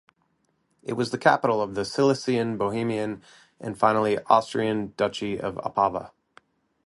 It was capital of the Silesian, Bohemian and finally Austrian Duchy of Opava.